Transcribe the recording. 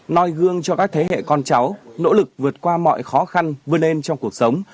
noi gương cho các thế hệ con cháu nỗ lực vượt qua mọi khó khăn vươn lên trong cuộc sống